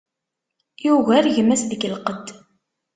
Yugar gma-s deg lqedd.